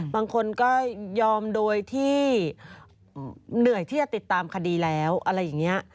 บางคนก็ยอมโดยที่เหนื่อยที่จะติดตามคดีแล้วอะไรอย่างนี้